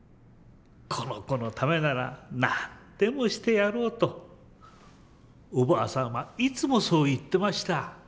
「この子のためなら何でもしてやろう」とおばあさんはいつもそう言ってました。